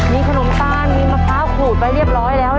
มีขนมตาลมีมะพร้าวขูดไว้เรียบร้อยแล้ว